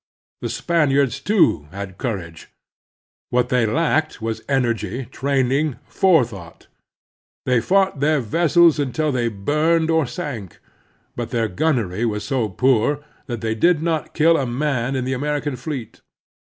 The Spaniards, too, had coiuage. What they lacked was energy, training, forethought. They fought their vessels until they burned or sank; but their gunnery was so poor that they i88 The Strenuous Life did not kill a man in the American fleet.